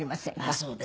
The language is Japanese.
そうですね。